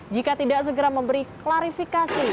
jika tidak segera memberi klarifikasi